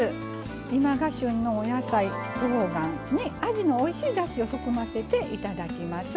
今が旬のお野菜とうがんにあじのおいしいだしを含ませていただきます。